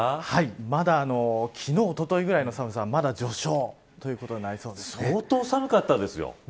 まだ、昨日おとといぐらいの寒さは、まだ序章ということに相当寒かったですよ。